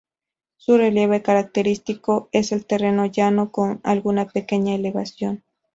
Su relieve característico es el terreno llano, con alguna pequeña elevación.